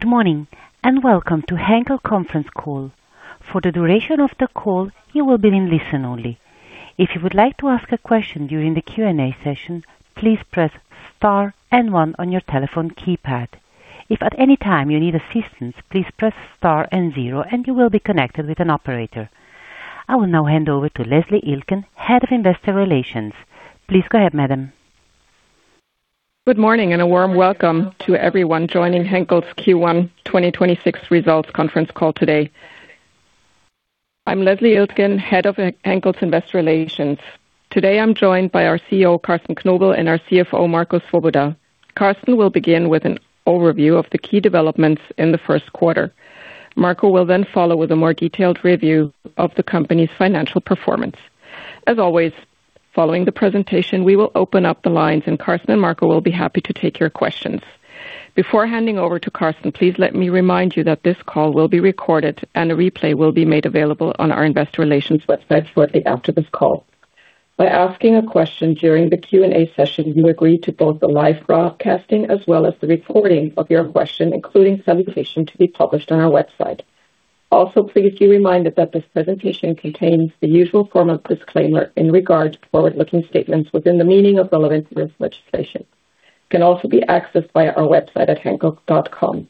Good morning, and welcome to Henkel conference call. For the duration of the call, you will be in listen-only. If you would like to ask a question during the Q&A session, please press star then one on your telephone keypad. If by any time you need assistance, please press star then zero, and you will be connected with an operator. I will now hand over to Leslie Iltgen, Head of Investor Relations. Please go ahead, madam. Good morning and a warm welcome to everyone joining Henkel's Q1 2026 results conference call today. I'm Leslie Iltgen, Head of Henkel's Investor Relations. Today, I'm joined by our CEO, Carsten Knobel, and our CFO, Marco Swoboda. Carsten will begin with an overview of the key developments in the first quarter. Marco will then follow with a more detailed review of the company's financial performance. As always, following the presentation, we will open up the lines, and Carsten and Marco will be happy to take your questions. Before handing over to Carsten, please let me remind you that this call will be recorded and a replay will be made available on our Investor Relations website shortly after this call. By asking a question during the Q&A session, you agree to both the live broadcasting as well as the recording of your question, including salutation to be published on our website. Also, please be reminded that this presentation contains the usual formal disclaimer in regards to forward-looking statements within the meaning of relevant risk legislation. The disclaimer can also be accessed via our website at henkel.com.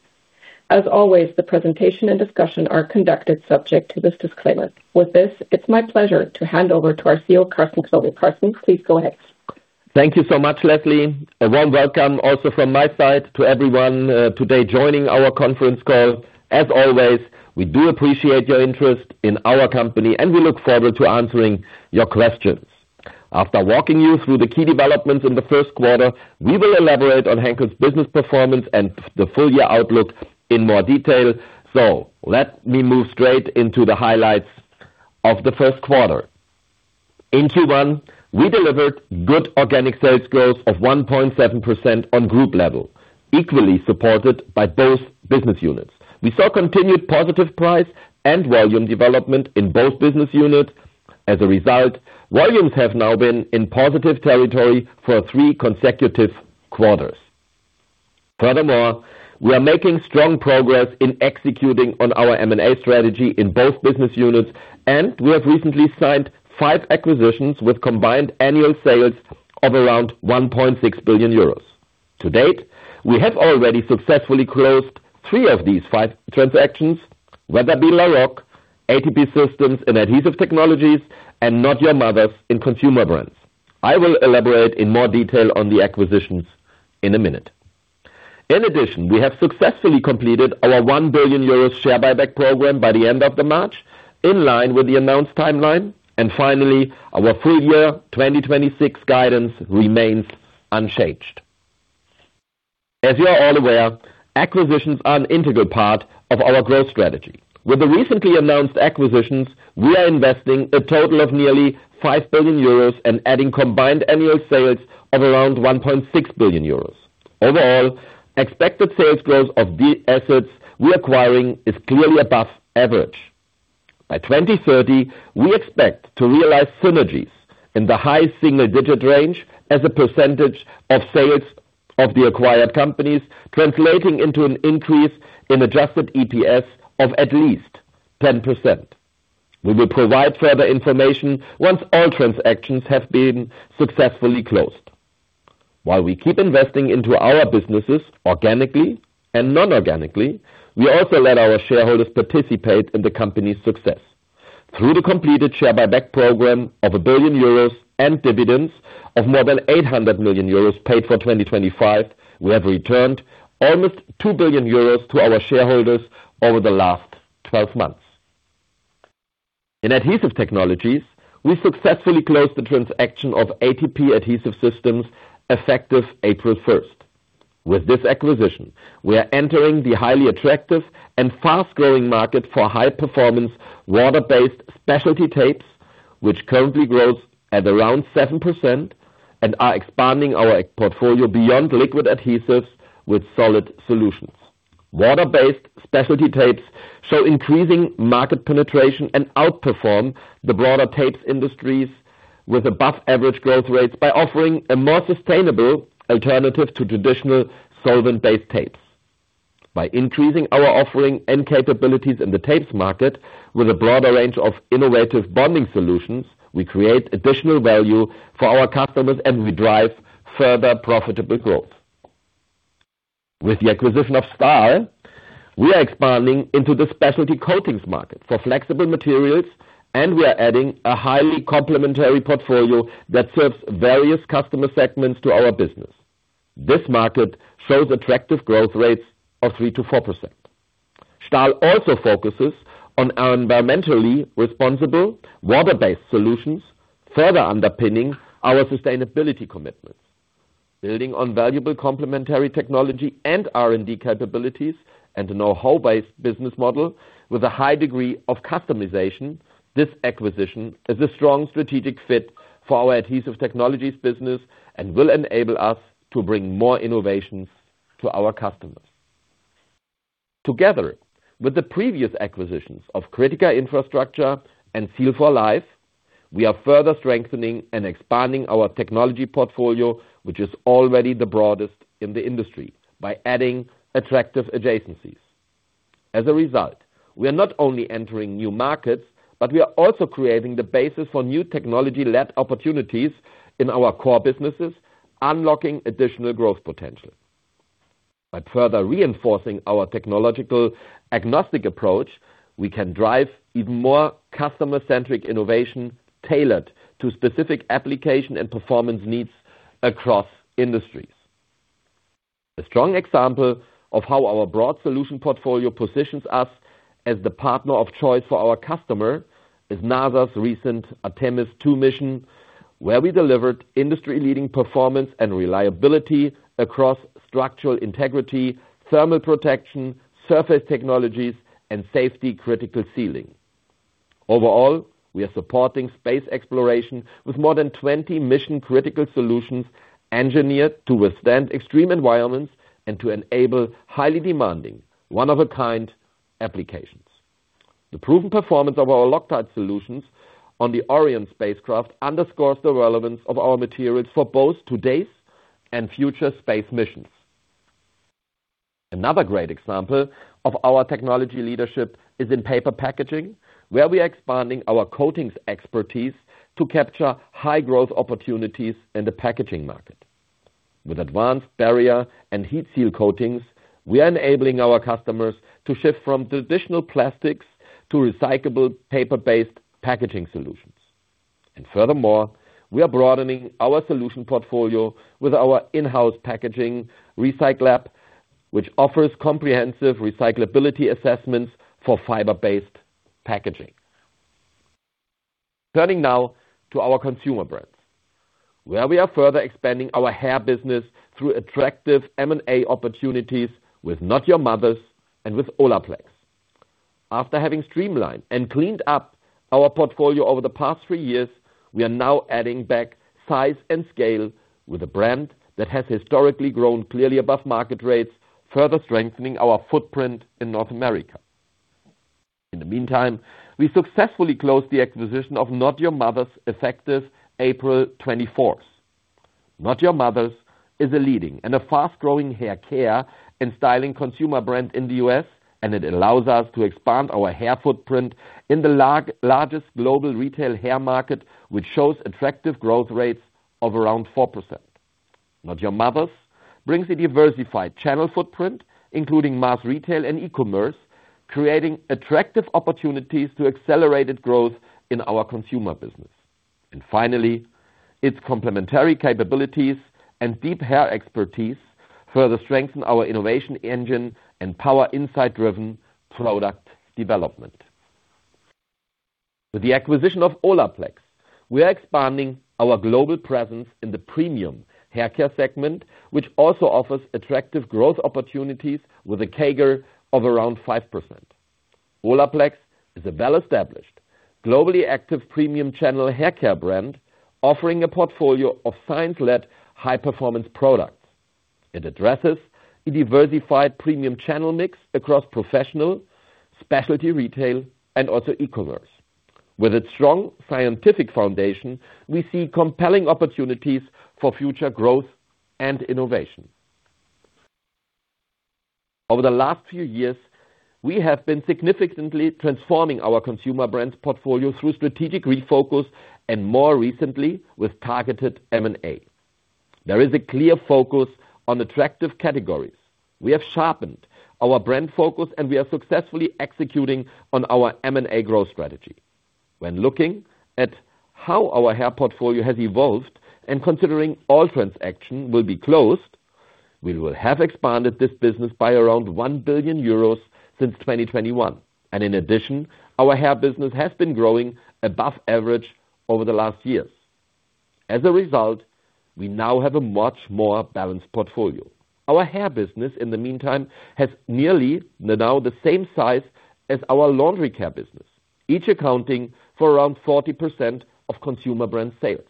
As always, the presentation and discussion are conducted subject to this disclaimer. With this, it's my pleasure to hand over to our CEO, Carsten Knobel. Carsten, please go ahead. Thank you so much, Leslie. A warm welcome also from my side to everyone today joining our conference call. As always, we do appreciate your interest in our company, and we look forward to answering your questions. After walking you through the key developments in the first quarter, we will elaborate on Henkel's business performance and the full year outlook in more detail. Let me move straight into the highlights of the first quarter. In Q1, we delivered good organic sales growth of 1.7% on group level, equally supported by both business units. We saw continued positive price and volume development in both business units. As a result, volumes have now been in positive territory for three consecutive quarters. Furthermore, we are making strong progress in executing on our M&A strategy in both business units, and we have recently signed five acquisitions with combined annual sales of around 1.6 billion euros. To date, we have already successfully closed three of these five transactions, [whether it be Laroc], ATP Systems, and Adhesive Technologies, and Not Your Mother's in Consumer Brands. I will elaborate in more detail on the acquisitions in a minute. In addition, we have successfully completed our 1 billion euro share buyback program by the end of March, in line with the announced timeline. Finally, our full year 2026 guidance remains unchanged. As you are all aware, acquisitions are an integral part of our growth strategy. With the recently announced acquisitions, we are investing a total of nearly 5 billion euros and adding combined annual sales of around 1.6 billion euros. Overall, expected sales growth of the assets we're acquiring is clearly above average. By 2030, we expect to realize synergies in the high single-digit range as a percentage of sales of the acquired companies, translating into an increase in adjusted EPS of at least 10%. We will provide further information once all transactions have been successfully closed. While we keep investing into our businesses organically and non-organically, we also let our shareholders participate in the company's success. Through the completed share buyback program of 1 billion euros and dividends of more than 800 million euros paid for 2025, we have returned almost 2 billion euros to our shareholders over the last 12 months. In Adhesive Technologies, we successfully closed the transaction of ATP Adhesive Systems effective April 1st. With this acquisition, we are entering the highly attractive and fast-growing market for high-performance water-based specialty tapes, which currently grows at around 7% and are expanding our portfolio beyond liquid adhesives with solid solutions. Water-based specialty tapes show increasing market penetration and outperform the broader tapes industries with above average growth rates by offering a more sustainable alternative to traditional solvent-based tapes. By increasing our offering and capabilities in the tapes market with a broader range of innovative bonding solutions, we create additional value for our customers, and we drive further profitable growth. With the acquisition of Stahl, we are expanding into the specialty coatings market for flexible materials, and we are adding a highly complementary portfolio that serves various customer segments to our business. This market shows attractive growth rates of 3%-4%. Stahl also focuses on environmentally responsible water-based solutions, further underpinning our sustainability commitments. Building on valuable complementary technology and R&D capabilities and a knowhow-based business model with a high degree of customization, this acquisition is a strong strategic fit for our Adhesive Technologies business and will enable us to bring more innovations to our customers. Together with the previous acquisitions of Critica Infrastructure and Seal For Life. We are further strengthening and expanding our technology portfolio, which is already the broadest in the industry, by adding attractive adjacencies. As a result, we are not only entering new markets, but we are also creating the basis for new technology-led opportunities in our core businesses, unlocking additional growth potential. By further reinforcing our technological agnostic approach, we can drive even more customer-centric innovation tailored to specific application and performance needs across industries. A strong example of how our broad solution portfolio positions us as the partner of choice for our customer is NASA's recent Artemis II mission, where we delivered industry-leading performance and reliability across structural integrity, thermal protection, surface technologies, and safety-critical sealing. Overall, we are supporting space exploration with more than 20 mission-critical solutions engineered to withstand extreme environments and to enable highly demanding, one-of-a-kind applications. The proven performance of our Loctite solutions on the Orion spacecraft underscores the relevance of our materials for both today's and future space missions. Another great example of our technology leadership is in paper packaging, where we are expanding our coatings expertise to capture high-growth opportunities in the packaging market. With advanced barrier and heat seal coatings, we are enabling our customers to shift from traditional plastics to recyclable paper-based packaging solutions. Furthermore, we are broadening our solution portfolio with our in-house packaging recycle lab, which offers comprehensive recyclability assessments for fiber-based packaging. Turning now to our Consumer Brands, where we are further expanding our hair business through attractive M&A opportunities with Not Your Mother's and with Olaplex. After having streamlined and cleaned up our portfolio over the past three years, we are now adding back size and scale with a brand that has historically grown clearly above market rates, further strengthening our footprint in North America. In the meantime, we successfully closed the acquisition of Not Your Mother's effective April 24th. Not Your Mother's is a leading and a fast-growing hair care and styling consumer brand in the U.S. and it allows us to expand our hair footprint in the largest global retail hair market, which shows attractive growth rates of around 4%. Not Your Mother's brings a diversified channel footprint, including mass retail and e-commerce, creating attractive opportunities to accelerated growth in our consumer business. Finally, its complementary capabilities and deep hair expertise further strengthen our innovation engine and power insight-driven product development. With the acquisition of Olaplex, we are expanding our global presence in the premium hair care segment, which also offers attractive growth opportunities with a CAGR of around 5%. Olaplex is a well-established, globally active premium channel hair care brand offering a portfolio of science-led high-performance products. It addresses a diversified premium channel mix across professional, specialty retail, and also e-commerce. With its strong scientific foundation, we see compelling opportunities for future growth and innovation. Over the last few years, we have been significantly transforming our Consumer Brands portfolio through strategic refocus and more recently with targeted M&A. There is a clear focus on attractive categories. We have sharpened our brand focus and we are successfully executing on our M&A growth strategy. When looking at how our hair portfolio has evolved and considering all transactions will be closed, we will have expanded this business by around 1 billion euros since 2021. In addition, our hair business has been growing above average over the last years. As a result, we now have a much more balanced portfolio. Our hair business, in the meantime, has nearly now the same size Laundry & Home Care business, each accounting for around 40% of Consumer Brands sales.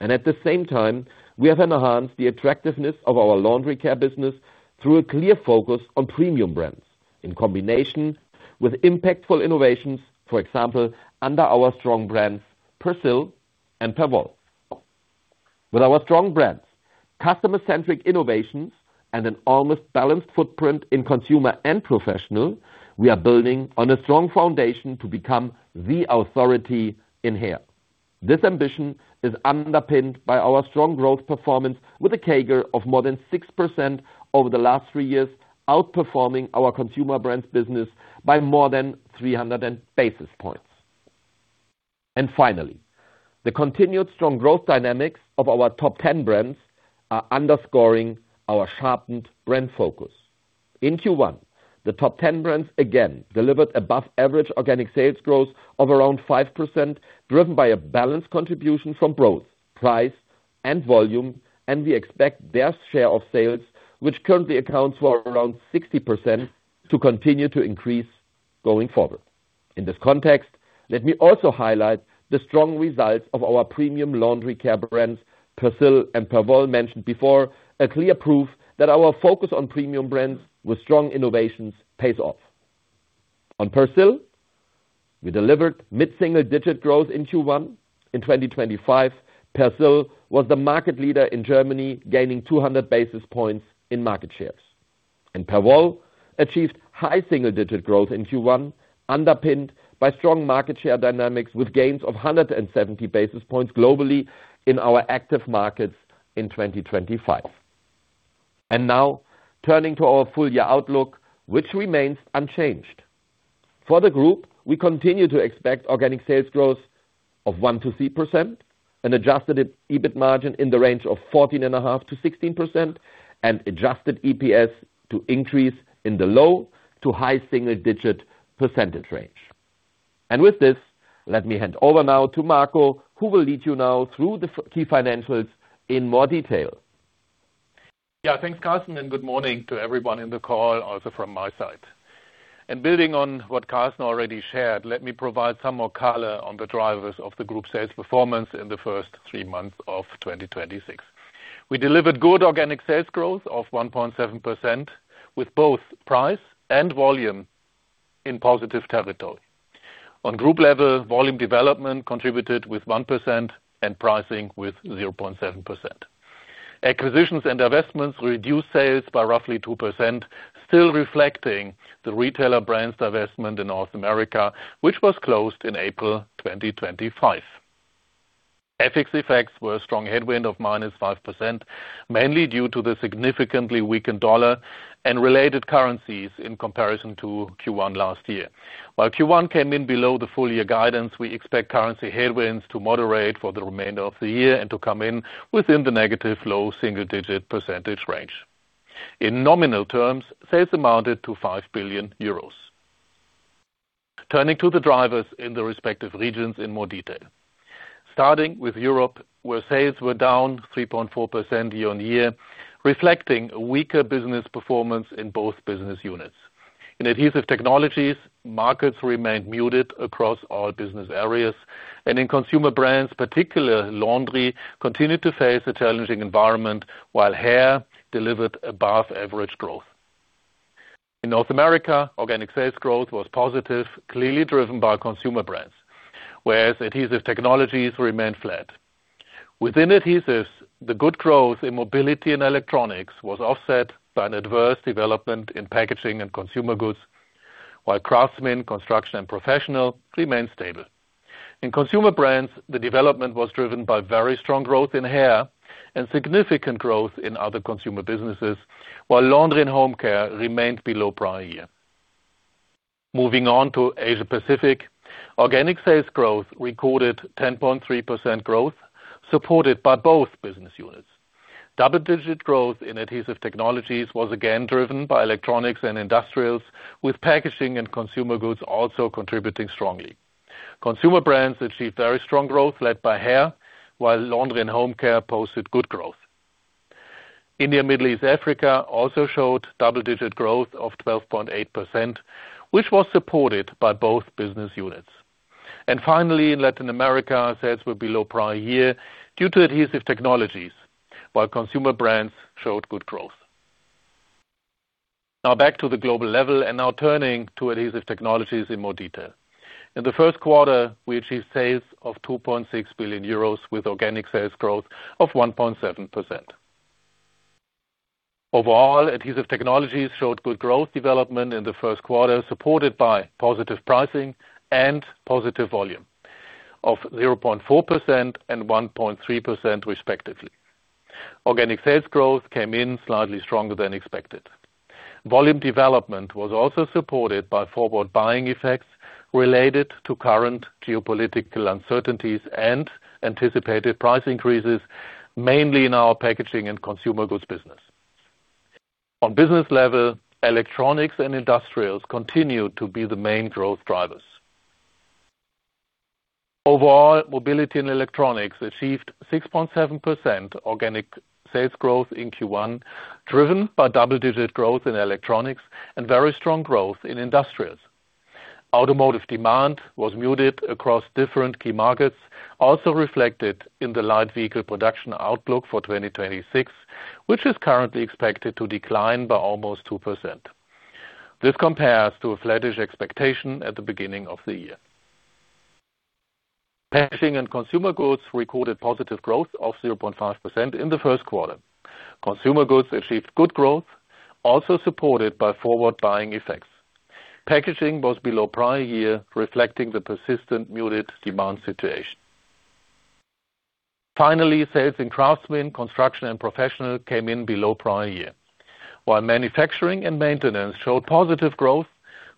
At the same time, we have enhanced the attractiveness Laundry & Home Care business through a clear focus on premium brands in combination with impactful innovations, for example, under our strong brands Persil and Perwoll. With our strong brands, customer-centric innovations, and an almost balanced footprint in consumer and professional, we are building on a strong foundation to become the authority in hair. This ambition is underpinned by our strong growth performance with a CAGR of more than 6% over the last three years, outperforming our Consumer Brands business by more than 300 basis points. Finally, the continued strong growth dynamics of our top 10 brands are underscoring our sharpened brand focus. In Q1, the top 10 brands again delivered above average organic sales growth of around 5%, driven by a balanced contribution from growth, price, and volume, and we expect their share of sales, which currently accounts for around 60%, to continue to increase going forward. In this context, let me also highlight the strong results of our premium laundry care brands, Persil and Perwoll, mentioned before, a clear proof that our focus on premium brands with strong innovations pays off. On Persil, we delivered mid-single digit growth in Q1. In 2025, Persil was the market leader in Germany, gaining 200 basis points in market shares. Perwoll achieved high single-digit growth in Q1, underpinned by strong market share dynamics with gains of 170 basis points globally in our active markets in 2025. Now turning to our full year outlook, which remains unchanged. For the group, we continue to expect organic sales growth of 1%-3%, an adjusted EBIT margin in the range of 14.5%-16% and adjusted EPS to increase in the low to high single digit percentage range. With this, let me hand over now to Marco, who will lead you now through the key financials in more detail. Yeah, thanks, Carsten. Good morning to everyone in the call also from my side. Building on what Carsten already shared, let me provide some more color on the drivers of the group sales performance in the first three months of 2026. We delivered good organic sales growth of 1.7%, with both price and volume in positive territory. On group level, volume development contributed with 1% and pricing with 0.7%. Acquisitions and divestments reduced sales by roughly 2%, still reflecting the retailer brands divestment in North America, which was closed in April 2025. FX effects were a strong headwind of -5%, mainly due to the significantly weakened dollar and related currencies in comparison to Q1 last year. While Q1 came in below the full year guidance, we expect currency headwinds to moderate for the remainder of the year and to come in within the negative low single-digit percentage range. In nominal terms, sales amounted to 5 billion euros. Turning to the drivers in the respective regions in more detail. Starting with Europe, where sales were down 3.4% year-on-year, reflecting a weaker business performance in both business units. In Adhesive Technologies, markets remained muted across all business areas, and in Consumer Brands, particular laundry continued to face a challenging environment while hair delivered above-average growth. In North America, organic sales growth was positive, clearly driven by Consumer Brands, whereas Adhesive Technologies remained flat. Within Adhesives, the good growth in Mobility and Electronics was offset by an adverse development in Packaging and Consumer Goods, while Craftsmen, Construction & Professional remained stable. In Consumer Brands, the development was driven by very strong growth in hair and significant growth in other consumer businesses, while Laundry & Home Care remained below prior year. Moving on to Asia Pacific. Organic sales growth recorded 10.3% growth, supported by both business units. Double-digit growth in Adhesive Technologies was again driven by Electronics and Industrials, with Packaging and Consumer Goods also contributing strongly. Consumer Brands achieved very strong growth led by hair, while Laundry & Home Care posted good growth. India, Middle East, Africa also showed double-digit growth of 12.8%, which was supported by both business units. Finally, in Latin America, sales were below prior year due to Adhesive Technologies, while Consumer Brands showed good growth. Back to the global level and now turning to Adhesive Technologies in more detail. In the first quarter, we achieved sales of 2.6 billion euros with organic sales growth of 1.7%. Overall, Adhesive Technologies showed good growth development in the first quarter, supported by positive pricing and positive volume of 0.4% and 1.3% respectively. Organic sales growth came in slightly stronger than expected. Volume development was also supported by forward buying effects related to current geopolitical uncertainties and anticipated price increases, mainly in our Packaging & Consumer Goods business. On business level, Electronics and Industrials continued to be the main growth drivers. Overall, Mobility & Electronics achieved 6.7% organic sales growth in Q1, driven by double-digit growth in Electronics and very strong growth in Industrials. Automotive demand was muted across different key markets, also reflected in the light vehicle production outlook for 2026, which is currently expected to decline by almost 2%. This compares to a flattish expectation at the beginning of the year. Packaging & Consumer Goods recorded positive growth of 0.5% in the first quarter. Consumer Goods achieved good growth, also supported by forward buying effects. Packaging was below prior year, reflecting the persistent muted demand situation. Finally, sales in Craftsmen, Construction & Professional came in below prior year. While Manufacturing and Maintenance showed positive growth,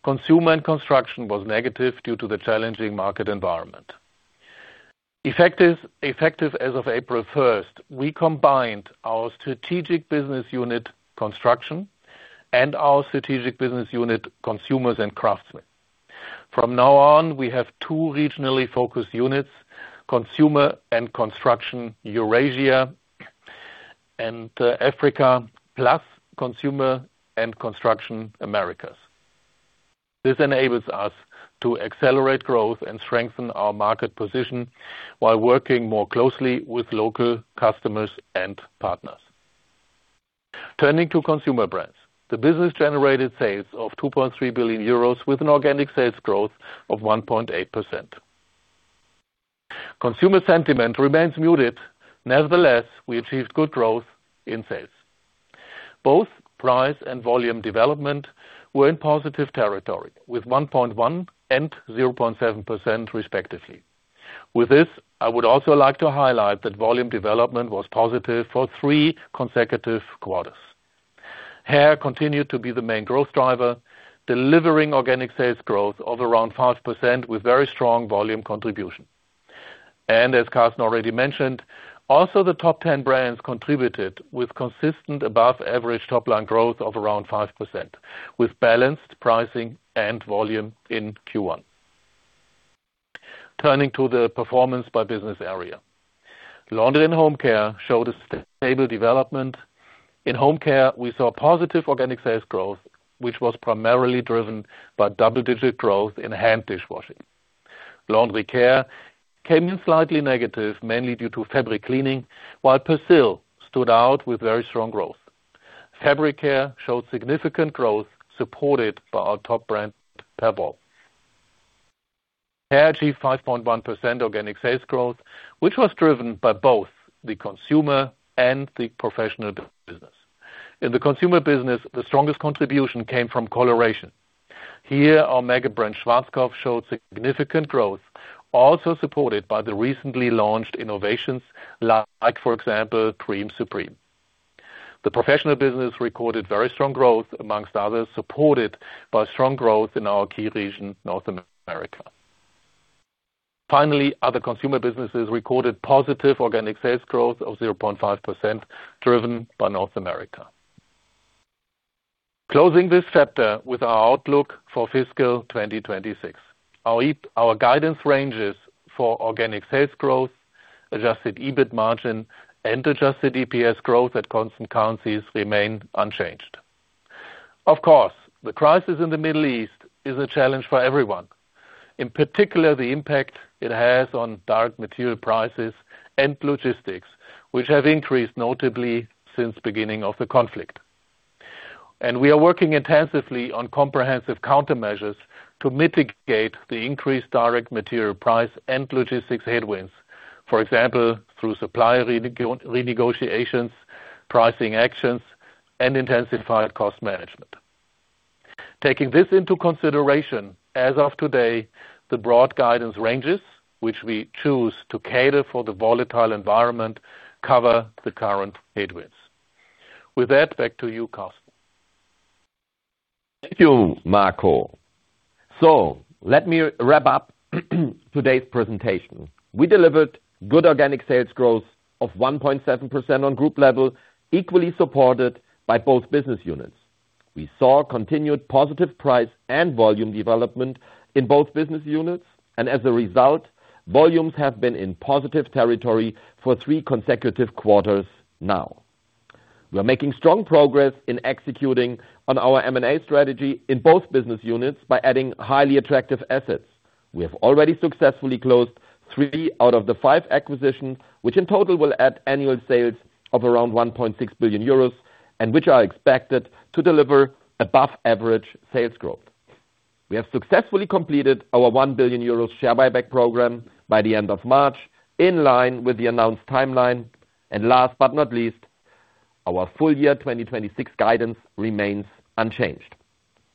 Consumer & Construction was negative due to the challenging market environment. Effective as of April first, we combined our strategic business unit, Construction, and our strategic business unit, Consumers and Craftsmen. From now on, we have two regionally focused units, Consumer & Construction, Eurasia and Africa, plus Consumer & Construction Americas. This enables us to accelerate growth and strengthen our market position while working more closely with local customers and partners. Turning to Consumer Brands, the business generated sales of 2.3 billion euros with an organic sales growth of 1.8%. Consumer sentiment remains muted. Nevertheless, we achieved good growth in sales. Both price and volume development were in positive territory, with 1.1% and 0.7% respectively. With this, I would also like to highlight that volume development was positive for three consecutive quarters. Hair continued to be the main growth driver, delivering organic sales growth of around 5% with very strong volume contribution. As Carsten already mentioned, also the top 10 brands contributed with consistent above average top-line growth of around 5%, with balanced pricing and volume in Q1. Turning to their performance by business area. Laundry & Home Care showed a stable development. In Home Care, we saw positive organic sales growth, which was primarily driven by double-digit growth in hand dishwashing. Laundry care came in slightly negative, mainly due to fabric cleaning, while Persil stood out with very strong growth. Fabric care showed significant growth, supported by our top brand, Perwoll. Hair achieved 5.1% organic sales growth, which was driven by both the consumer and the professional business. In the consumer business, the strongest contribution came from coloration. Here, our mega brand Schwarzkopf showed significant growth, also supported by the recently launched innovations like, for example, Creme Supreme. The professional business recorded very strong growth, amongst others, supported by strong growth in our key region, North America. Other consumer businesses recorded positive organic sales growth of 0.5%, driven by North America. Closing this sector with our outlook for fiscal 2026. Our guidance ranges for organic sales growth, adjusted EBIT margin, and adjusted EPS growth at constant currencies remain unchanged. Of course, the crisis in the Middle East is a challenge for everyone. In particular, the impact it has on direct material prices and logistics, which have increased notably since beginning of the conflict. We are working intensively on comprehensive countermeasures to mitigate the increased direct material price and logistics headwinds, for example, through supplier renegotiations, pricing actions, and intensified cost management. Taking this into consideration, as of today, the broad guidance ranges, which we choose to cater for the volatile environment, cover the current headwinds. With that, back to you, Carsten. Thank you, Marco. Let me wrap up today's presentation. We delivered good organic sales growth of 1.7% on group level, equally supported by both business units. We saw continued positive price and volume development in both business units. As a result, volumes have been in positive territory for three consecutive quarters now. We are making strong progress in executing on our M&A strategy in both business units by adding highly attractive assets. We have already successfully closed three out of the five acquisitions, which in total will add annual sales of around 1.6 billion euros and which are expected to deliver above average sales growth. We have successfully completed our 1 billion euros share buyback program by the end of March, in line with the announced timeline. Last but not least, our full year 2026 guidance remains unchanged.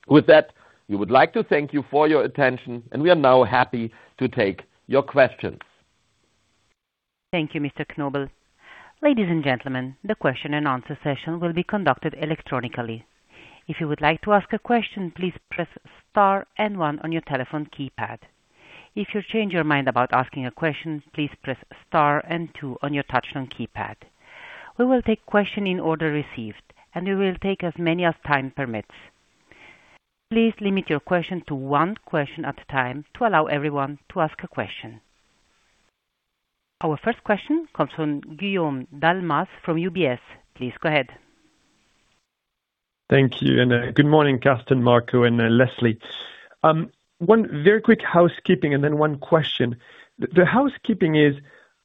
With that, we would like to thank you for your attention. We are now happy to take your questions. Thank you, Mr. Knobel. Ladies and gentlemen, the question-and-answer session will be conducted electronically. If you would like to ask a question, please press star and one on your telephone keypad. If you change your mind about asking a question, please press star and two on your touchtone keypad. We will take questions in order received, and we will take as many as time permits. Please limit your question to one question at a time to allow everyone to ask a question. Our first question comes from Guillaume Delmas from UBS. Please go ahead. Thank you, good morning, Carsten, Marco, and Leslie. One very quick housekeeping and then one question. The housekeeping is,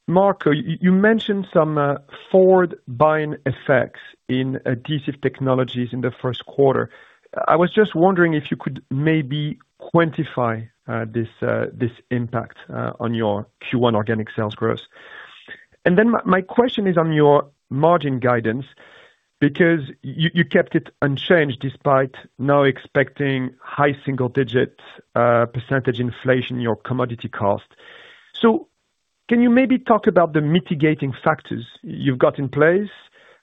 Marco, you mentioned some forward buying effects in Adhesive Technologies in the first quarter. I was just wondering if you could maybe quantify this impact on your Q1 organic sales growth. Then my question is on your margin guidance, because you kept it unchanged despite now expecting high single digits percentage inflation in your commodity cost. Can you maybe talk about the mitigating factors you've got in place,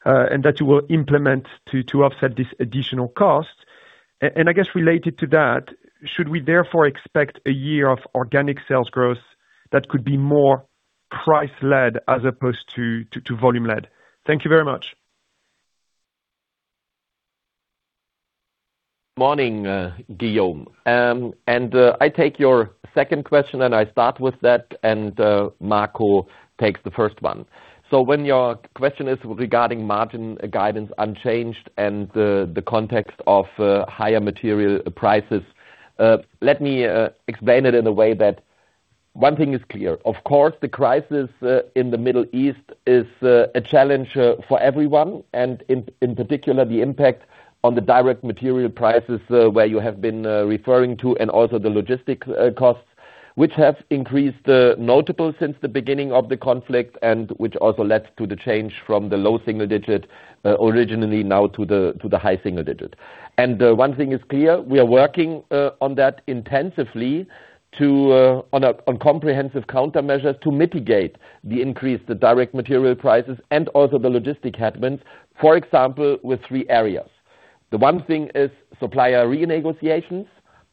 and that you will implement to offset this additional cost? I guess related to that, should we therefore expect a year of organic sales growth that could be more price-led as opposed to volume-led? Thank you very much. Morning, Guillaume. I take your second question, and I start with that, and Marco takes the first one. When your question is regarding margin guidance unchanged and the context of higher material prices, let me explain it in a way that. One thing is clear, of course, the crisis in the Middle East is a challenge for everyone and in particular, the impact on the direct material prices, where you have been referring to and also the logistic costs, which have increased notable since the beginning of the conflict and which also led to the change from the low single-digit originally now to the high single-digit. One thing is clear, we are working on that intensively to on a on comprehensive countermeasures to mitigate the increase, the direct material prices and also the logistic headwinds. For example, with three areas. The one thing is supplier renegotiations,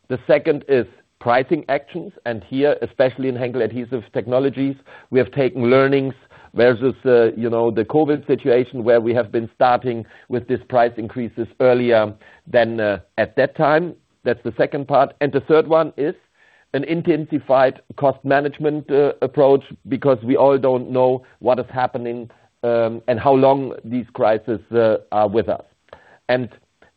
the second is pricing actions, and here, especially in Henkel Adhesive Technologies, we have taken learnings versus, you know, the COVID situation where we have been starting with this price increases earlier than at that time. That's the second part. The third one is an intensified cost management approach because we all don't know what is happening and how long these crises are with us.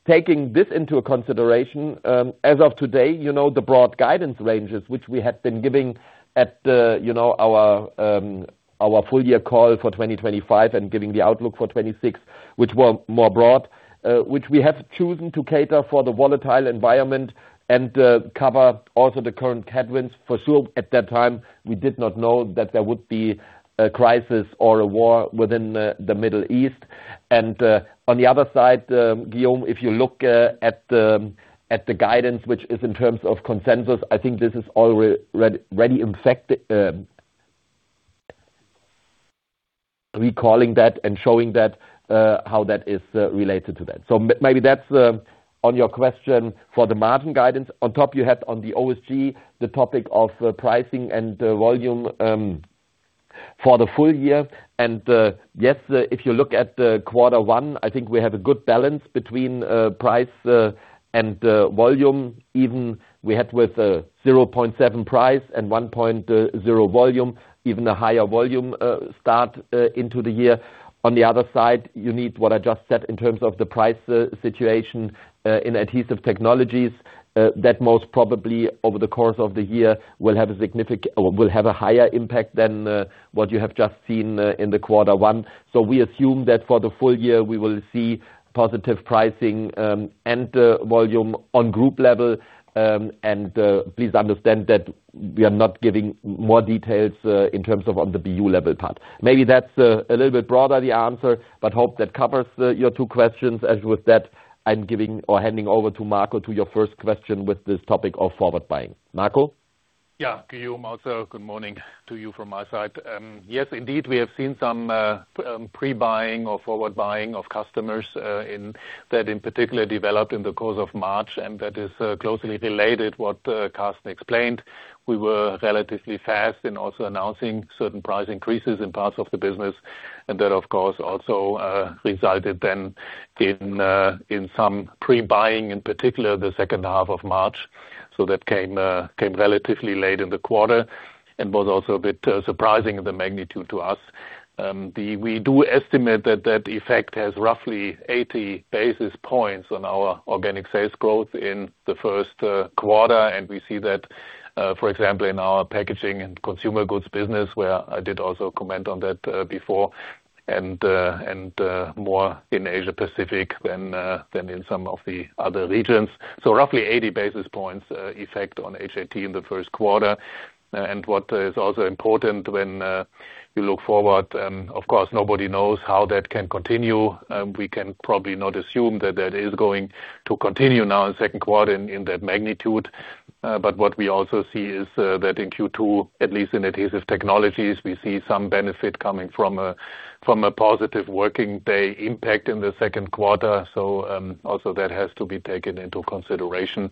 Taking this into consideration, as of today, you know, the broad guidance ranges which we have been giving at the, you know, our full year call for 2025 and giving the outlook for 2026, which were more broad, which we have chosen to cater for the volatile environment and cover also the current headwinds. For sure at that time, we did not know that there would be a crisis or a war within the Middle East. On the other side, Guillaume, if you look at the guidance which is in terms of consensus, I think this is already ready in fact, recalling that and showing that how that is related to that. Maybe that's on your question for the margin guidance. On top you have on the OSG, the topic of pricing and volume for the full year. Yes, if you look at the quarter one, I think we have a good balance between price and volume even we had with 0.7% price and 1.0% volume, even a higher volume start into the year. On the other side, you need what I just said in terms of the price situation in Adhesive Technologies that most probably over the course of the year will have a higher impact than what you have just seen in the quarter one. We assume that for the full year we will see positive pricing and volume on group level. Please understand that we are not giving more details in terms of on the BU level part. Maybe that's a little bit broader the answer, hope that covers your two questions. With that, I'm giving or handing over to Marco to your first question with this topic of forward buying. Marco? Yeah. Guillaume also good morning to you from my side. Yes, indeed we have seen some pre-buying or forward buying of customers in that in particular developed in the course of March and that is closely related what Carsten explained. We were relatively fast in also announcing certain price increases in parts of the business and that of course also resulted then in some pre-buying in particular the second half of March. That came relatively late in the quarter and was also a bit surprising the magnitude to us. We do estimate that that effect has roughly 80 basis points on our organic sales growth in the first quarter and we see that, for example, in our Packaging & Consumer Goods business where I did also comment on that before and more in Asia Pacific than in some of the other regions. Roughly 80 basis points effect on HAT in the first quarter. What is also important when we look forward, of course nobody knows how that can continue. We can probably not assume that that is going to continue now in second quarter in that magnitude. What we also see is that in Q2, at least in Adhesive Technologies, we see some benefit coming from a positive working day impact in the second quarter. Also that has to be taken into consideration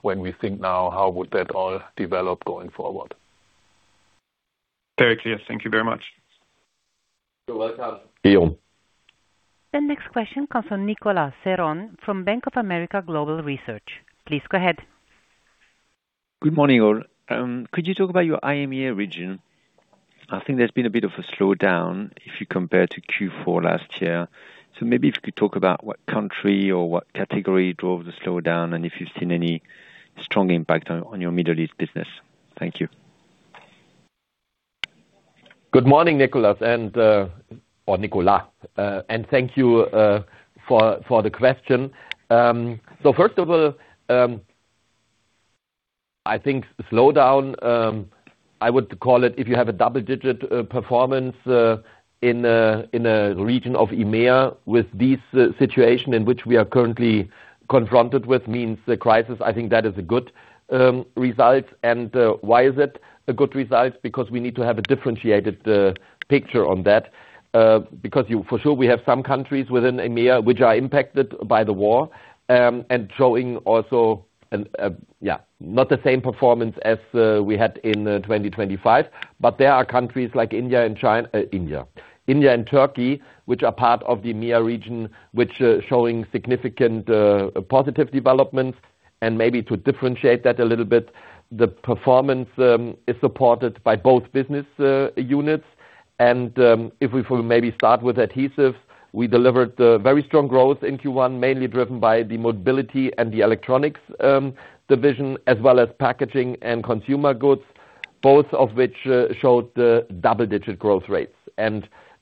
when we think now how would that all develop going forward. Very clear. Thank you very much. You're welcome. Guillaume. The next question comes from Nicolas Ceron from Bank of America Global Research. Please go ahead. Good morning all. Could you talk about your IMEA region? I think there's been a bit of a slowdown if you compare to Q4 last year. Maybe if you could talk about what country or what category drove the slowdown and if you've seen any strong impact on your Middle East business. Thank you. Good morning, Nicolas. Or Nicolas. Thank you for the question. First of all, I think the slowdown, I would call it if you have a double-digit performance in a region of IMEA with this situation in which we are currently confronted with means the crisis, I think that is a good result. Why is it a good result? Because you for sure we have some countries within IMEA which are impacted by the war and showing also yeah, not the same performance as we had in 2025, but there are countries like India and China. India. India and Turkey which are part of the IMEA region which are showing significant positive developments and maybe to differentiate that a little bit, the performance is supported by both business units. If we maybe start with adhesives, we delivered a very strong growth in Q1, mainly driven by the Mobility & Electronics division, as well as Packaging & Consumer Goods, both of which showed double-digit growth rates.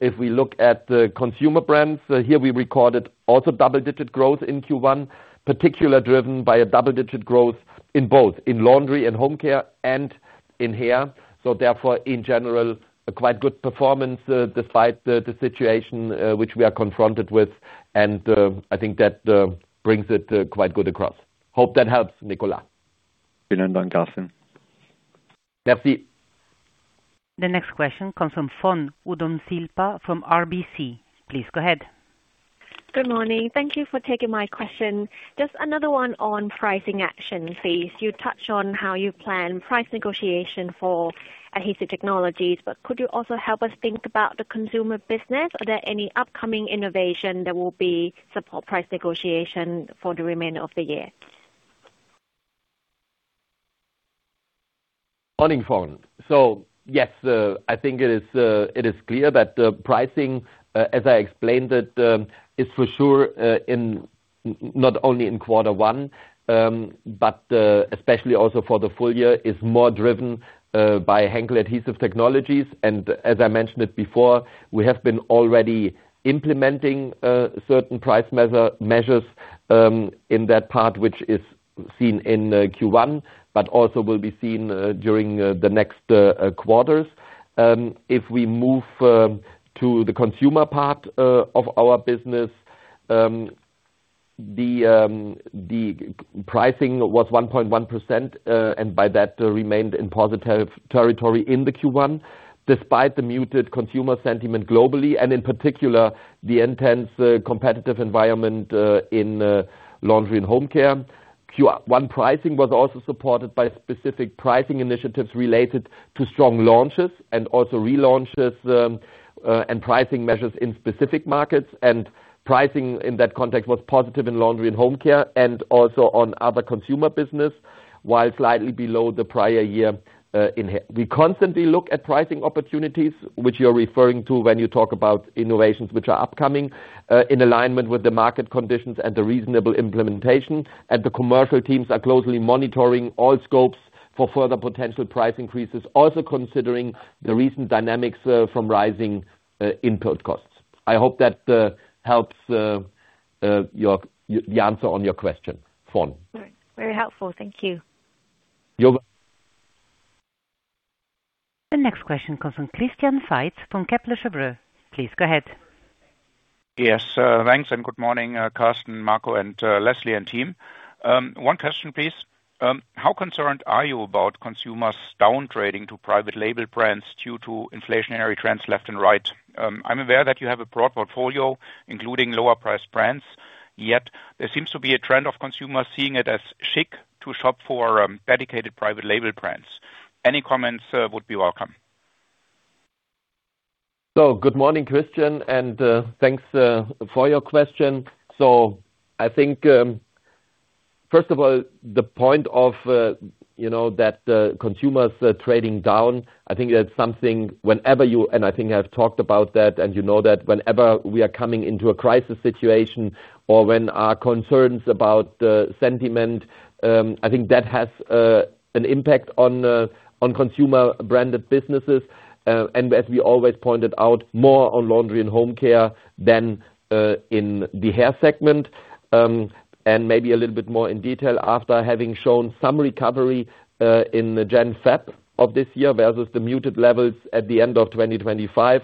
If we look at the Consumer Brands, here we recorded also double-digit growth in Q1, particularly driven by a double-digit growth in both in Laundry & Home Care and in hair. Therefore, in general, a quite good performance despite the situation which we are confronted with. I think that brings it quite good across. Hope that helps, Nicolas. The next question comes from Fon Udomsilpa from RBC. Please go ahead. Good morning. Thank you for taking my question. Just another one on pricing action, please. You touched on how you plan price negotiation for Adhesive Technologies, but could you also help us think about the consumer business? Are there any upcoming innovation that will be support price negotiation for the remainder of the year? Morning, Fon. Yes, I think it is clear that the pricing, as I explained it, is for sure in not only in quarter one, but especially also for the full year, is more driven by Henkel Adhesive Technologies. As I mentioned it before, we have been already implementing certain price measures in that part, which is seen in Q1, but also will be seen during the next quarters. If we move to the consumer part of our business, the pricing was 1.1%, and by that remained in positive territory in the Q1, despite the muted consumer sentiment globally and in particular the intense competitive environment in Laundry & Home Care. Q1 pricing was also supported by specific pricing initiatives related to strong launches and also relaunches, and pricing measures in specific markets. Pricing in that context was positive in Laundry & Home Care and also on other consumer business, while slightly below the prior year. We constantly look at pricing opportunities, which you are referring to when you talk about innovations which are upcoming, in alignment with the market conditions and the reasonable implementation. The commercial teams are closely monitoring all scopes for further potential price increases. Also considering the recent dynamics from rising input costs. I hope that helps the answer on your question, Fon. Very helpful. Thank you. You're we- The next question comes from Christian Faitz from Kepler Cheuvreux. Please go ahead. Yes, thanks and good morning, Carsten, Marco, and Leslie, and team. One question, please. How concerned are you about consumers downtrading to private label brands due to inflationary trends left and right? I'm aware that you have a broad portfolio, including lower priced brands, yet there seems to be a trend of consumers seeing it as chic to shop for dedicated private label brands. Any comments would be welcome. So good morning, Christian, and thanks for your question. I think, first of all, the point of, you know, that consumers trading down, I think that's something whenever I think I've talked about that and you know that whenever we are coming into a crisis situation or when our concerns about the sentiment, I think that has an impact on Consumer Brands businesses. As we always pointed out, more on Laundry & Home Care than in the hair segment. Maybe a little bit more in detail, after having shown some recovery in the Jan-Feb of this year versus the muted levels at the end of 2025,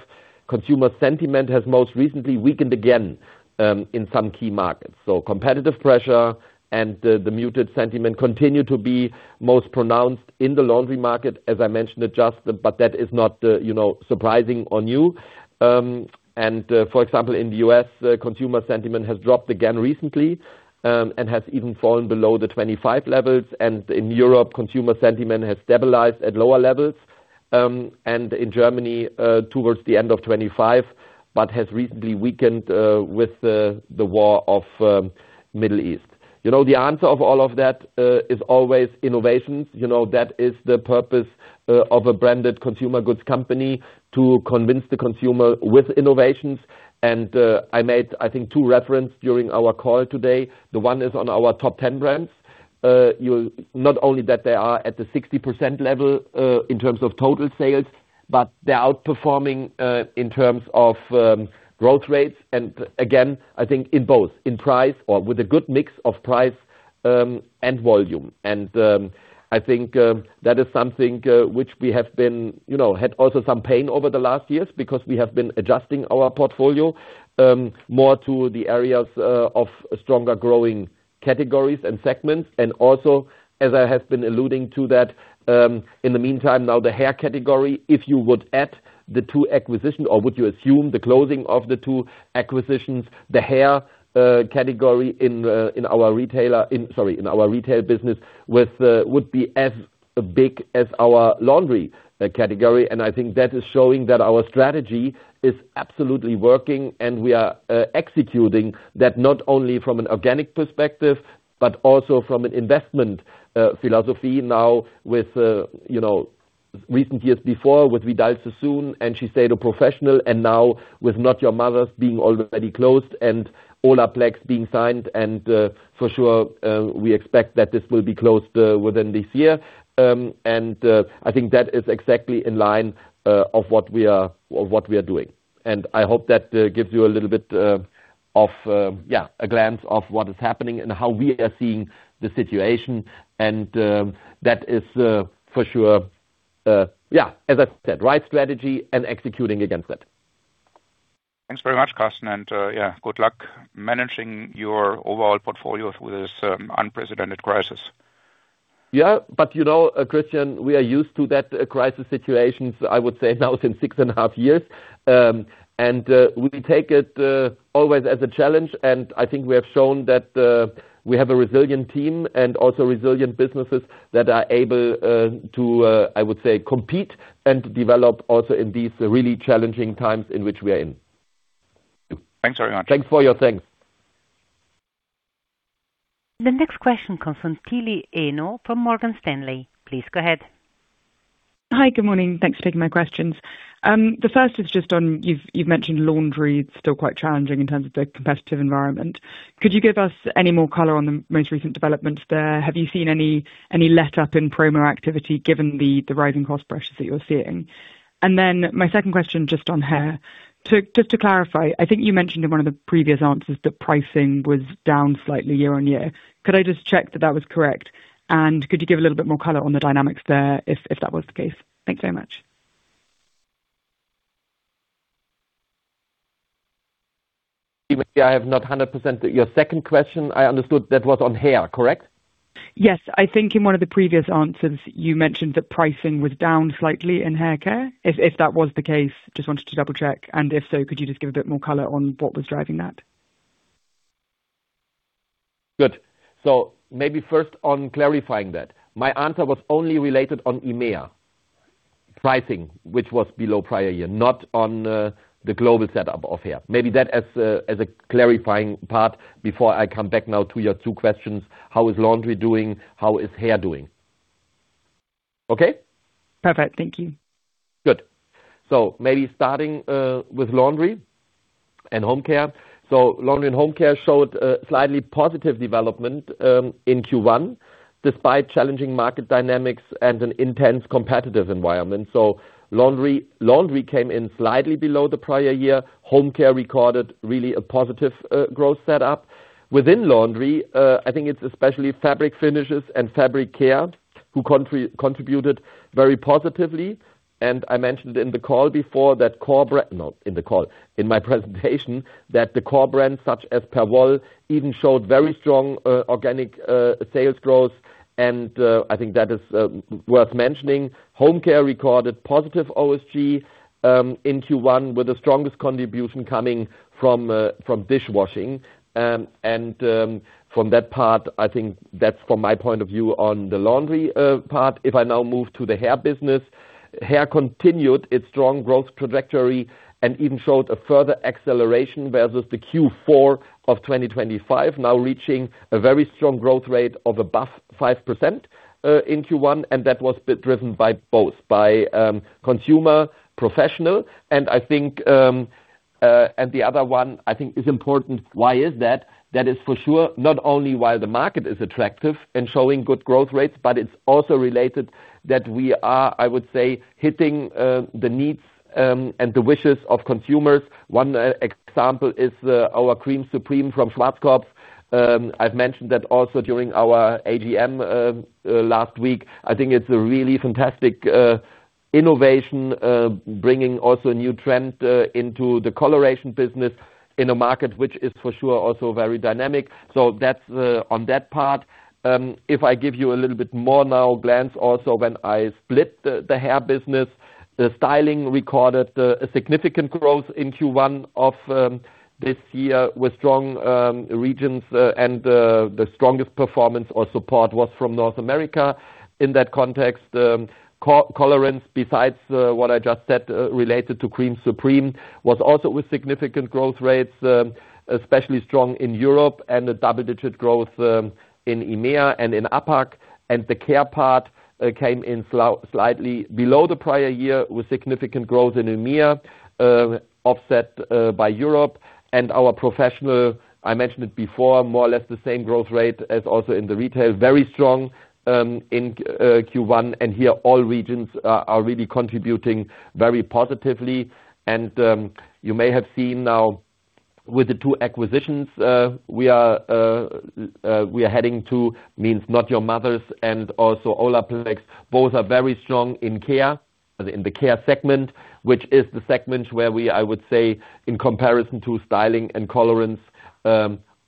consumer sentiment has most recently weakened again in some key markets. Competitive pressure and the muted sentiment continue to be most pronounced in the laundry market, as I mentioned it just, but that is not, you know, surprising or new. For example, in the U.S., consumer sentiment has dropped again recently and has even fallen below the 2025 levels. In Europe, consumer sentiment has stabilized at lower levels in Germany towards the end of 2025, but has recently weakened with the war of Middle East. You know, the answer of all of that is always innovations. You know, that is the purpose of a branded consumer goods company, to convince the consumer with innovations. I made, I think, two reference during our call today. The one is on our top 10 brands. Not only that they are at the 60% level in terms of total sales, but they're outperforming in terms of growth rates. Again, I think in both, in price or with a good mix of price and volume. I think that is something which we have been, you know, had also some pain over the last years because we have been adjusting our portfolio more to the areas of stronger growing categories and segments. Also, as I have been alluding to that, in the meantime, now the hair category, if you would add the two acquisitions or would you assume the closing of the two acquisitions, the hair category in our retail business would be as big as our laundry category. I think that is showing that our strategy is absolutely working and we are executing that not only from an organic perspective, but also from an investment philosophy now with, you know, recent years before with Vidal Sassoon and Shiseido Professional and now with Not Your Mother's being already closed and Olaplex being signed and for sure, we expect that this will be closed within this year. I think that is exactly in line of what we are doing. I hope that gives you a little bit of a glance of what is happening and how we are seeing the situation. That is for sure, as I said, right strategy and executing against that. Thanks very much, Carsten. Yeah, good luck managing your overall portfolio through this unprecedented crisis. Yeah. You know, Christian, we are used to that crisis situations, I would say now it's in 6.5 years. We take it always as a challenge, and I think we have shown that we have a resilient team and also resilient businesses that are able to, I would say, compete and develop also in these really challenging times in which we are in. Thanks very much. Thanks for your thanks. The next question comes from Tilly Eno from Morgan Stanley. Please go ahead. Hi. Good morning. Thanks for taking my questions. The first is just on, you've mentioned laundry, it's still quite challenging in terms of the competitive environment. Could you give us any more color on the most recent developments there? Have you seen any letup in promo activity given the rising cost pressures that you're seeing? My second question just on hair. Just to clarify, I think you mentioned in one of the previous answers that pricing was down slightly year-on-year. Could I just check that that was correct? Could you give a little bit more color on the dynamics there if that was the case? Thanks so much. Even if I have not heard 100% your second question, I understood that was on hair, correct? Yes. I think in one of the previous answers, you mentioned that pricing was down slightly in hair care. If that was the case, just wanted to double-check, and if so, could you just give a bit more color on what was driving that? Good. Maybe first on clarifying that. My answer was only related on IMEA pricing, which was below prior year, not on the global setup of hair. Maybe that as a clarifying part before I come back now to your two questions, how is laundry doing? How is hair doing? Okay? Perfect. Thank you. Good. Maybe starting with Laundry & Home Care. Laundry & Home Care showed a slightly positive development in Q1 despite challenging market dynamics and an intense competitive environment. Laundry came in slightly below the prior year. Home Care recorded really a positive growth set up. Within laundry, I think it's especially fabric finishes and fabric care who contributed very positively. I mentioned in the call before that the core brands such as Perwoll even showed very strong organic sales growth, and I think that is worth mentioning. Home Care recorded positive OSG in Q1 with the strongest contribution coming from dishwashing. From that part, I think that's from my point of view on the laundry part. If I now move to the hair business, hair continued its strong growth trajectory and even showed a further acceleration versus the Q4 of 2025, now reaching a very strong growth rate of above 5% in Q1, that was driven by both, by consumer professional. I think, the other one, I think is important why is that? That is for sure, not only while the market is attractive and showing good growth rates, but it's also related that we are, I would say, hitting the needs and the wishes of consumers. One example is our Creme Supreme from Schwarzkopf. I've mentioned that also during our AGM last week. I think it's a really fantastic innovation, bringing also a new trend into the coloration business in a market which is for sure also very dynamic. That's on that part. If I give you a little bit more now, glance also when I split the hair business, the styling recorded a significant growth in Q1 of this year with strong regions, and the strongest performance or support was from North America. In that context, colorants, besides what I just said, related to Creme Supreme, was also with significant growth rates, especially strong in Europe and a double-digit growth in IMEA and in APAC. The care part came in slightly below the prior year with significant growth in IMEA, offset by Europe. Our professional, I mentioned it before, more or less the same growth rate as also in the retail, very strong, in Q1, and here all regions are really contributing very positively. You may have seen now with the two acquisitions, we are heading to means Not Your Mother's and also Olaplex. Both are very strong in the care segment, which is the segment where we, I would say, in comparison to styling and colorants,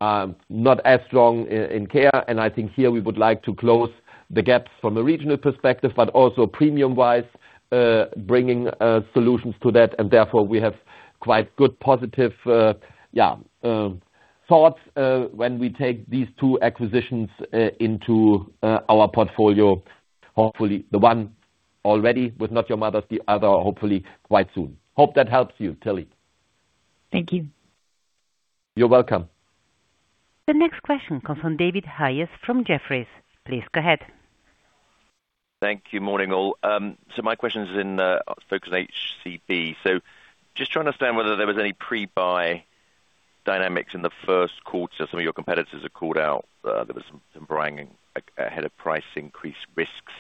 are not as strong in care. I think here we would like to close the gaps from a regional perspective, but also premium-wise, bringing solutions to that. Therefore, we have quite good positive thoughts when we take these two acquisitions into our portfolio. Hopefully, the one already with Not Your Mother's, the other, hopefully quite soon. Hope that helps you, Tilly. Thank you. You're welcome. The next question comes from David Hayes from Jefferies. Please go ahead. Thank you. Morning, all. My question is in focus HCB, just to understand whether there was any pre-buy dynamics in the first quarter. Some of your competitors have called out, there was some buying ahead of price increase risks.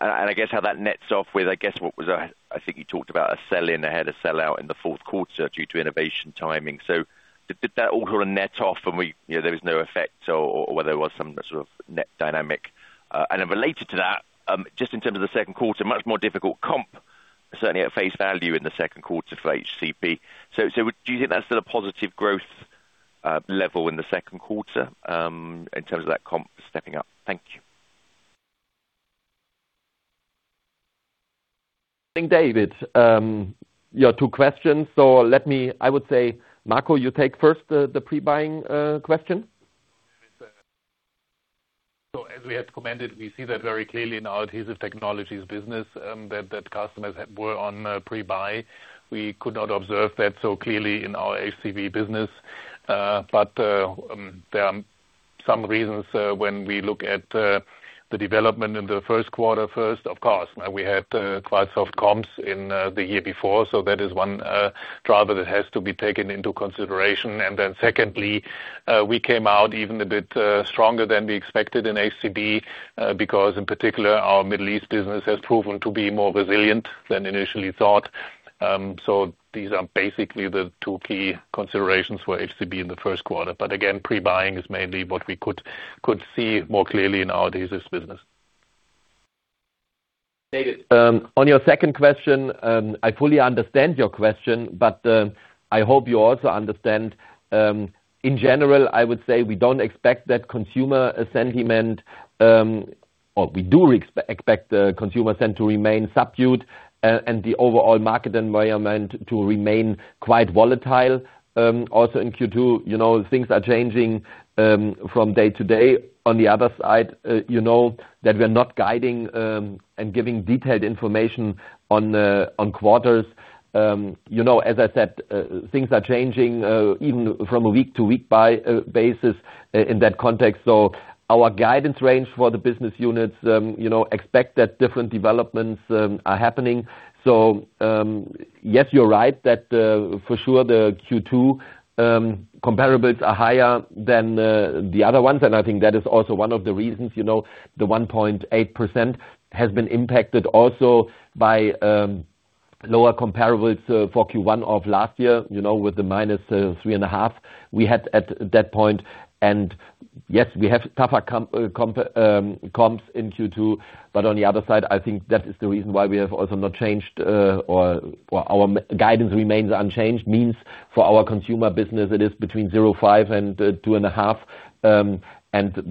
I guess how that nets off with, what was that? I think you talked about a sell in ahead, a sell out in the fourth quarter due to innovation timing. Did that all sort of net off and we, you know, there was no effect, or whether it was some sort of net dynamic? Related to that, just in terms of the second quarter, much more difficult comp, certainly at face value in the second quarter for HCB. Do you think that's still a positive growth level in the second quarter in terms of that comp stepping up? Thank you. Think, David, your two questions, so, let me. I would say, Marco, you take first, the pre-buying question. As we had commented, we see that very clearly in our Adhesive Technologies business, that customers were on pre-buy. We could not observe that so clearly in our HCB business. There are some reasons when we look at the development in the first quarter first, of course, we had quite soft comps in the year before, so that is one driver that has to be taken into consideration. Secondly, we came out even a bit stronger than we expected in HCB, because in particular, our Middle East business has proven to be more resilient than initially thought. These are basically the two key considerations for HCB in the first quarter. Again, pre-buying is mainly what we could see more clearly in our adhesive business. David, on your second question, I fully understand your question, but I hope you also understand, in general, I would say we don't expect that consumer sentiment, or we do expect the consumer sentiment to remain subdued, and the overall market environment to remain quite volatile. Also in Q2, you know, things are changing from day to day. On the other side, you know that we're not guiding and giving detailed information on quarters. You know, as I said, things are changing even from a week to week basis in that context. Our guidance range for the business units, you know, expect that different developments are happening. Yes, you're right that, for sure, the Q2 comparables are higher than the other ones. I think that is also one of the reasons, you know, the 1.8% has been impacted also by lower comparables for Q1 of last year, you know, with the -3.5% we had at that point. Yes, we have tougher comps in Q2, but on the other side, I think that is the reason why we have also not changed or our guidance remains unchanged, means for our consumer business, it is between 0.5% and 2.5%.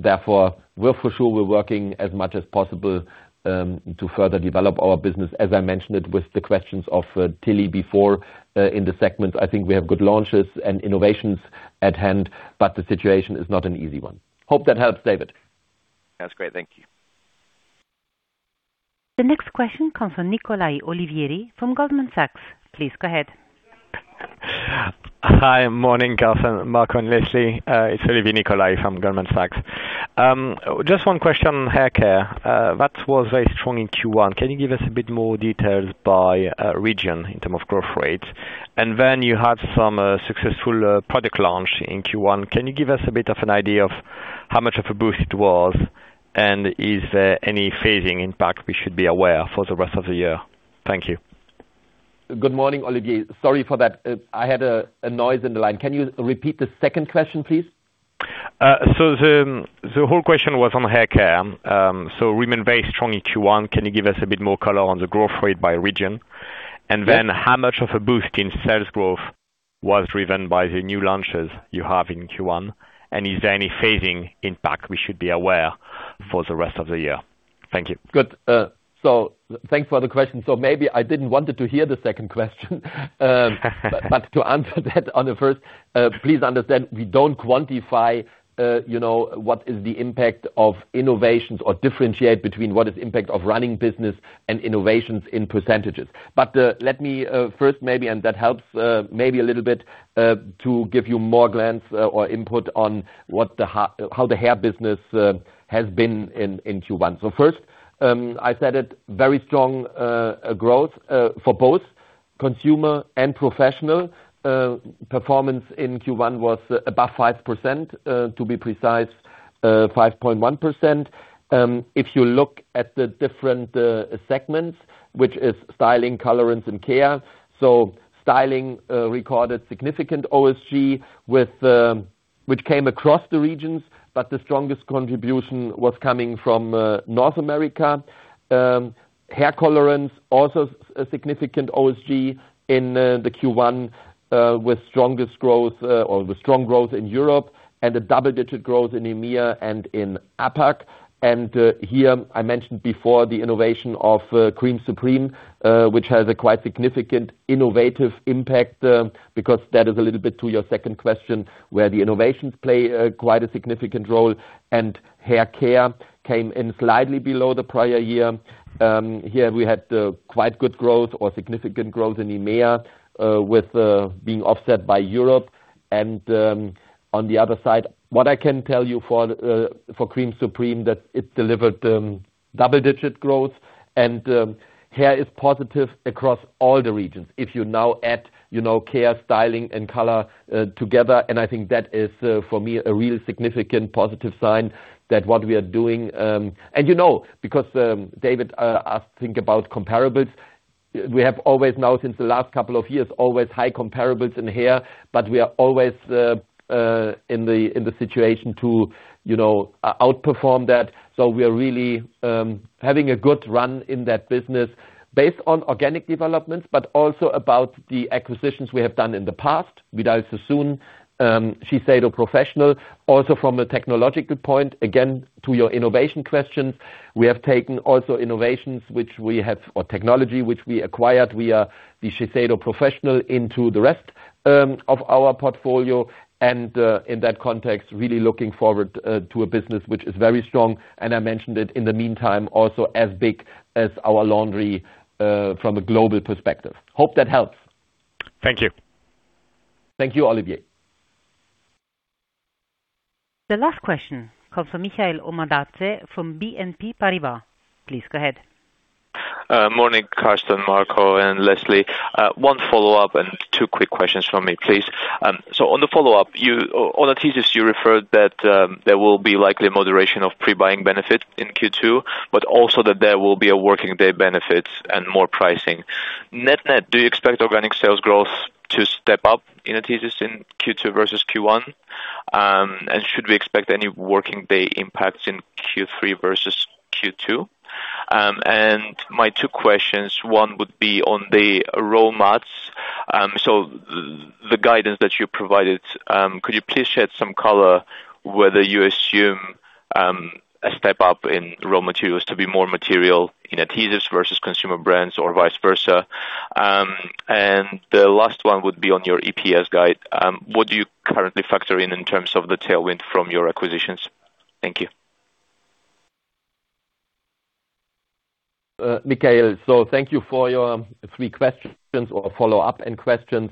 Therefore, we're for sure we're working as much as possible to further develop our business. As I mentioned it with the questions of Tilly before, in the segment, I think we have good launches and innovations at hand, but the situation is not an easy one. Hope that helps, David. That's great. Thank you. The next question comes from Nicolaï Olivier from Goldman Sachs. Please go ahead. Hi. Morning, Carsten, Marco, and Leslie. It's Olivier Nicolaï from Goldman Sachs. Just one question, hair care. That was very strong in Q1. Can you give us a bit more details by region in term of growth rates? You have some successful product launch in Q1. Can you give us a bit of an idea of how much of a boost it was? Is there any phasing impact we should be aware for the rest of the year? Thank you. Good morning, Olivier. Sorry for that. I had a noise in the line. Can you repeat the second question, please? The whole question was on hair care. Remained very strong in Q1. Can you give us a bit more color on the growth rate by region? How much of a boost in sales growth was driven by the new launches you have in Q1? Is there any phasing impact we should be aware for the rest of the year? Thank you. Good. Thanks for the question. Maybe I didn't want to hear the second question. To answer that on the first, please understand, we don't quantify, you know, what is the impact of innovations or differentiate between what is the impact of running business and innovations in percentages. Let me first maybe, and that helps maybe a little bit, to give you more glance or input on how the hair business has been in Q1. First, I said it, very strong growth for both consumer and professional. Performance in Q1 was above 5%, to be precise, 5.1%. If you look at the different segments, which is styling, colorants, and care. Styling recorded significant OSG with which came across the regions, but the strongest contribution was coming from North America. Hair colorants, also a significant OSG in the Q1, with strongest growth or with strong growth in Europe and a double-digit growth in IMEA and in APAC. Here, I mentioned before the innovation of Creme Supreme, which has a quite significant innovative impact, because that is a little bit to your second question, where the innovations play quite a significant role. Hair care came in slightly below the prior year. Here we had quite good growth or significant growth in IMEA, with being offset by Europe. On the other side, what I can tell you for Creme Supreme, that it delivered double-digit growth and hair is positive across all the regions. If you now add, you know, care, styling and color together, I think that is for me a real significant positive sign that what we are doing. You know, because David asked, think about comparables. We have always now, since the last couple of years, always high comparables in hair, but we are always in the situation to, you know, outperform that. We are really having a good run in that business based on organic developments, but also about the acquisitions we have done in the past, Vidal Sassoon, Shiseido Professional. From a technological point, again, to your innovation questions, we have taken also innovations which we have, or technology which we acquired via the Shiseido Professional into the rest of our portfolio and in that context, really looking forward to a business which is very strong, and I mentioned it in the meantime, also as big as our laundry from a global perspective. Hope that helps. Thank you. Thank you, Olivier. The last question comes from Mikheil Omanadze from BNP Paribas. Please go ahead. Morning, Carsten, Marco, and Leslie. One follow-up and two quick questions from me, please. On the follow-up, on adhesives, you referred that there will be likely moderation of pre-buying benefit in Q2, but also that there will be a working day benefit and more pricing. Net net, do you expect organic sales growth to step up in adhesives in Q2 versus Q1? Should we expect any working day impacts in Q3 versus Q2? My two questions, one would be on the raw mats. The guidance that you provided, could you please shed some color whether you assume a step-up in raw materials to be more material in adhesives versus Consumer Brands or vice versa? The last one would be on your EPS guide. What do you currently factor in in terms of the tailwind from your acquisitions? Thank you. Mikheil, thank you for your three questions, or follow-up and questions.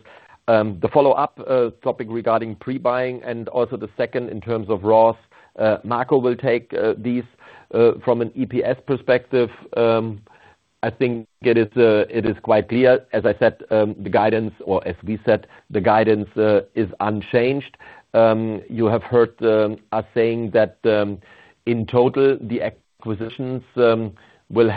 The follow-up topic regarding pre-buying and also the second in terms of raws, Marco will take these. From an EPS perspective, I think it is quite clear, as I said, the guidance or as we said, the guidance is unchanged. You have heard us saying that in total, the acquisitions will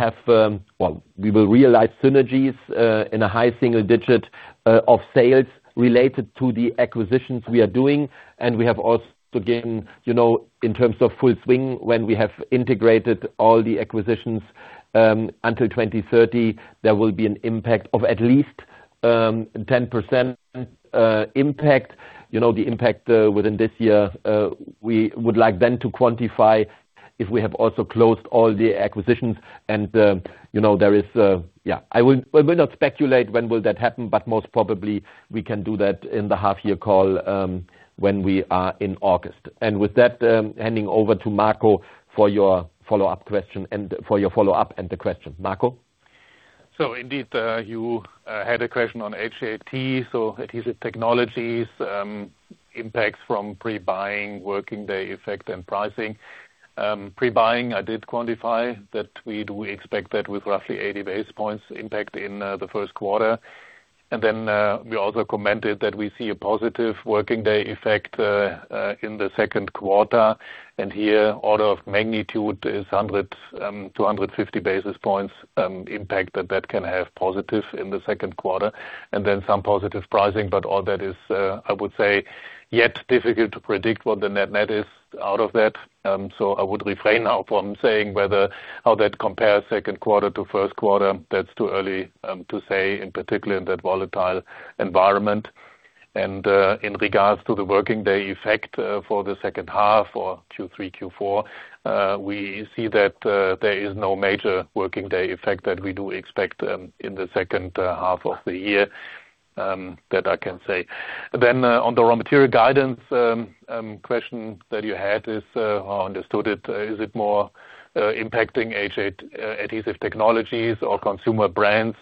realize synergies in a high single-digit of sales related to the acquisitions we are doing, and we have also given, you know, in terms of full swing, when we have integrated all the acquisitions until 2030, there will be an impact of at least 10% impact. You know, the impact within this year, we would like then to quantify if we have also closed all the acquisitions and, you know, there is, yeah. We will not speculate when will that happen, but most probably we can do that in the half-year call when we are in August. With that, handing over to Marco for your follow-up question and for your follow-up and the questions. Marco? Indeed, you had a question on HAT, so Adhesive Technologies, impacts from pre-buying, working day effect and pricing. Pre-buying, I did quantify that we do expect that with roughly 80 basis points impact in the first quarter. Then, we also commented that we see a positive working day effect in the second quarter. Here, order of magnitude is 100 basis points-150 basis points impact that can have positive in the second quarter, then some positive pricing. All that is, I would say, yet difficult to predict what the net net is out of that. I would refrain now from saying whether how that compares second quarter to first quarter. That's too early to say, in particular in that volatile environment. In regards to the working day effect, for the second half or Q3, Q4, we see that there is no major working day effect that we do expect in the second half of the year that I can say. On the raw material guidance question that you had is how I understood it, is it more impacting HAT, Adhesive Technologies or Consumer Brands?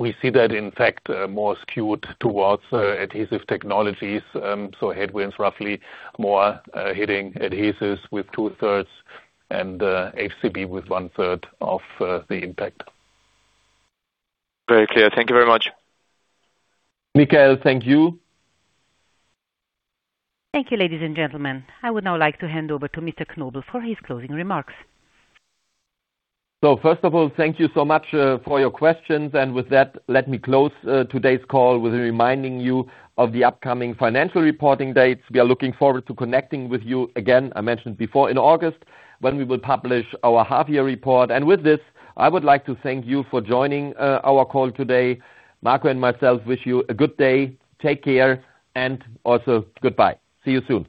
We see that in fact, more skewed towards Adhesive Technologies. Headwinds roughly more hitting adhesives with 2/3 and HCB with 1/3 of the impact. Very clear. Thank you very much. Mikheil, thank you. Thank you, ladies and gentlemen. I would now like to hand over to Mr. Knobel for his closing remarks. First of all, thank you so much for your questions. With that, let me close today's call with reminding you of the upcoming financial reporting dates. We are looking forward to connecting with you again, I mentioned before, in August, when we will publish our half-year report. With this, I would like to thank you for joining our call today. Marco and myself wish you a good day. Take care and also goodbye. See you soon.